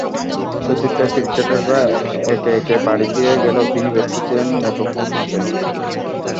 সতীর্থ ক্রিকেটাররা একে একে বাড়ি ফিরে গেলেও তিনি ব্যস্ত ছিলেন মুঠোফোন হাতে।